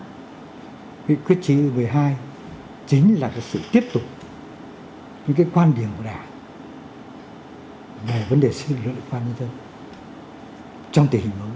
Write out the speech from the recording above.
nghị quyết một mươi hai chính là sự tiếp tục những quan điểm của đảng về vấn đề xây dựng lực lượng công an nhân dân trong tỉ hình mới